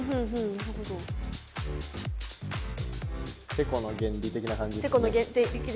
てこの原理的な感じですね？